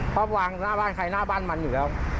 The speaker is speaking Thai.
เพราะวางหน้าบ้านใครหน้าบ้านมันอยู่แล้ว